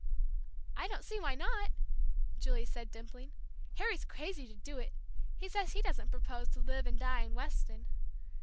"I don't see why not," Julie said, dimpling. "Harry's crazy to do it. He says he doesn't propose to live and die in Weston.